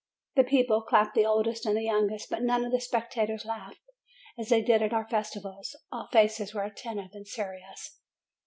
The people clapped the oldest and the youngest but none of the spectators laughed, as they did at our festival : all faces were attentive and serious.